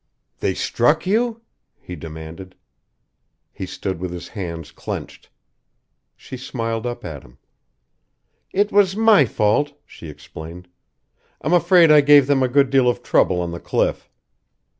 "They struck you?" he demanded. He stood with his hands clenched. She smiled up at him. "It was my fault," she explained. "I'm afraid I gave them a good deal of trouble on the cliff."